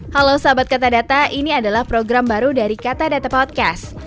halo sahabat katadata ini adalah program baru dari katadata podcast